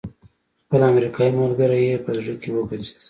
خپل امريکايي ملګری يې په زړه کې وګرځېد.